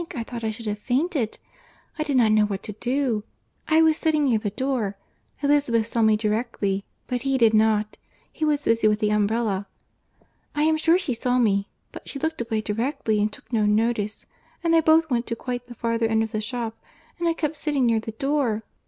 I thought I should have fainted. I did not know what to do. I was sitting near the door—Elizabeth saw me directly; but he did not; he was busy with the umbrella. I am sure she saw me, but she looked away directly, and took no notice; and they both went to quite the farther end of the shop; and I kept sitting near the door!